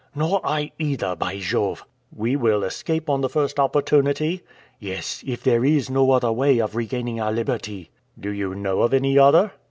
"Nor I, either, by Jove!" "We will escape on the first opportunity?" "Yes, if there is no other way of regaining our liberty." "Do you know of any other?"